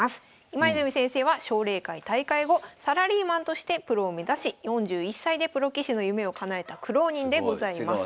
今泉先生は奨励会退会後サラリーマンとしてプロを目指し４１歳でプロ棋士の夢をかなえた苦労人でございます。